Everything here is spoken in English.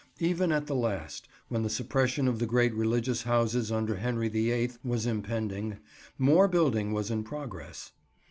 Even at the last, when the suppression of the great religious houses under Henry the Eighth was impending, more building was in progress.